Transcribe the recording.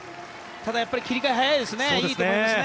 ただ、切り替え早いですね。